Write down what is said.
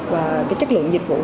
và chất lượng dịch vụ